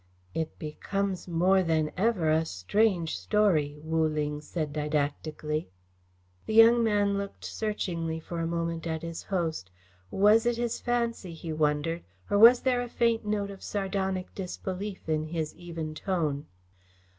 "It becomes more than ever a strange story," Wu Ling said didactically. The young man looked searchingly for a moment at his host. Was it his fancy, he wondered, or was there a faint note of sardonic disbelief in his even tone?